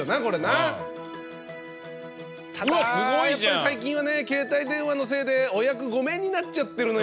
最近はね携帯電話のせいでお役御免になっちゃってるのよ。